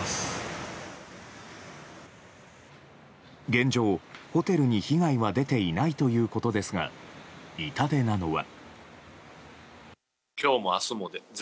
現状、ホテルに被害は出ていないということですが痛手なのは。